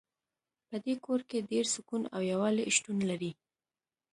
په دې کور کې ډېر سکون او یووالۍ شتون لری